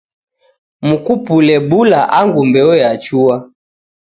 Mukupule bula angu mbeo yachua.